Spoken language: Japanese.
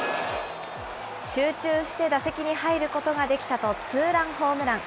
集中して打席に入ることができたと、ツーランホームラン。